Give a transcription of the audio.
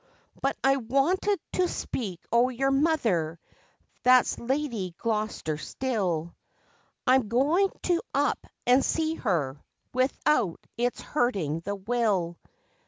But I wanted to speak o' your mother that's Lady Gloster still. I'm going to up and see her, without it's hurting the will.